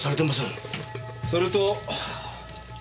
それと。